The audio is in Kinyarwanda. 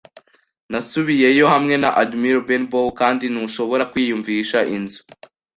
Nasubiyeyo hamwe na Admiral Benbow, kandi ntushobora kwiyumvisha inzu